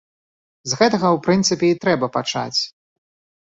З гэтага, у прынцыпе, і трэба пачаць.